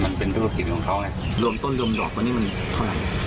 มันเป็นธุรกิจของเขาไงรวมต้นรวมดอกวันนี้มันเท่าไหร่